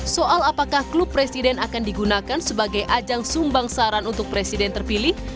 soal apakah klub presiden akan digunakan sebagai ajang sumbang saran untuk presiden terpilih